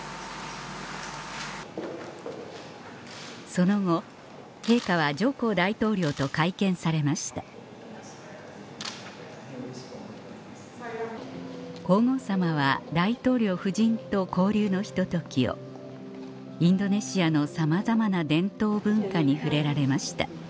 その後陛下はジョコ大統領と会見されました皇后さまは大統領夫人と交流のひとときをインドネシアのさまざまな伝統文化に触れられました